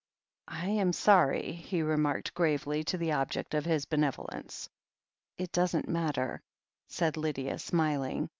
"I am sorry," he remarked gravely to the object of his benevolence. It doesn't matter," said Lydia, smiling.